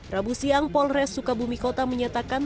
rabu siang polres sukabumi kota menyatakan